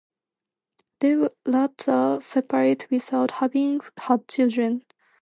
They would later separate without having had children.